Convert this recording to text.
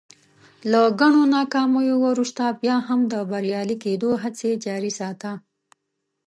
له ګڼو ناکاميو ورورسته بيا هم د بريالي کېدو هڅې جاري ساته.